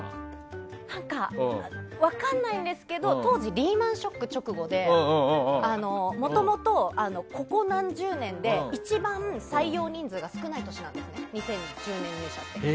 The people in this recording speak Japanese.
分かんないんですけど当時、リーマン・ショック直後でもともと、ここ何十年で一番採用人数が少ない年なんですね２０１０年入社って。